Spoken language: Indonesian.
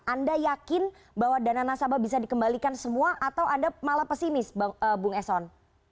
anda yakin bahwa dana nasabah bisa dikembalikan semua atau anda malah pesimis bung eson